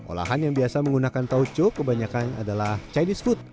olahan yang biasa menggunakan tauco kebanyakan adalah chinese food